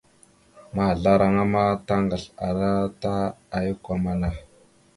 Mahəzlaraŋa ma taŋgasl ana ta ayak amanah.